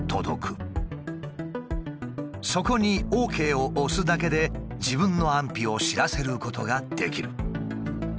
そこにＯＫを押すだけで自分の安否を知らせることができる。